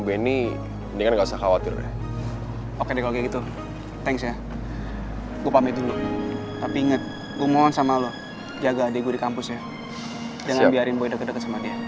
cepet sembuh ya